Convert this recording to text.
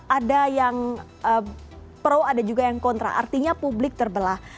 ada yang pro ada juga yang kontra artinya publik terbelah